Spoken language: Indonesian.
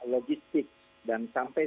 logistik dan sampai